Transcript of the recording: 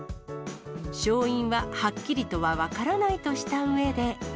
勝因ははっきりとは分からないとしたうえで。